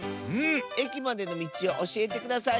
えきまでのみちをおしえてください。